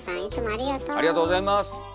ありがとうございます。